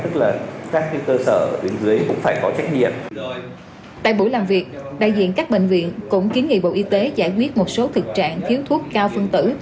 tại buổi làm việc đại diện các bệnh viện cũng kiến nghị bộ y tế giải quyết một số thực trạng thiếu thuốc cao phân tử